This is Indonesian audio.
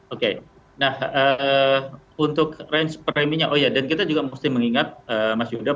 oke nah untuk range preminya oh iya dan kita juga mesti mengingat mas yuda